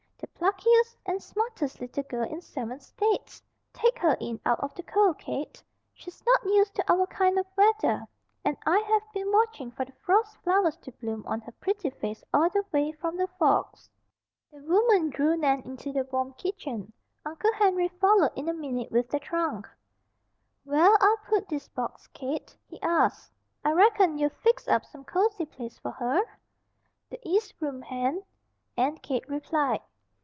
"The pluckiest and smartest little girl in seven states! Take her in out of the cold, Kate. She's not used to our kind of weather, and I have been watching for the frost flowers to bloom on her pretty face all the way from the forks." The woman drew Nan into the warm kitchen. Uncle Henry followed in a minute with the trunk. "Where'll I put this box, Kate?" he asked. "I reckon you've fixed up some cozy place for her?" "The east room, Hen," Aunt Kate replied.